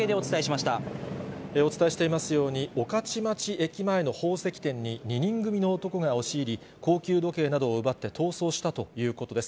お伝えしていますように、御徒町駅前の宝石店に２人組の男が押し入り、高級時計などを奪って逃走したということです。